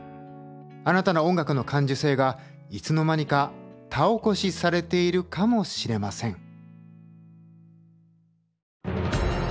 あなたの音楽の感受性がいつの間にか田起こしされているかもしれません。